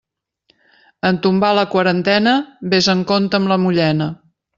En tombar la quarantena, vés amb compte amb la mullena.